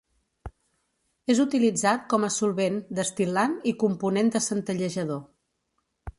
És utilitzat com a solvent, destil·lant, i component de centellejador.